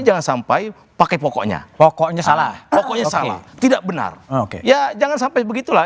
jangan sampai pakai pokoknya pokoknya salah pokoknya salah tidak benar oke ya jangan sampai begitulah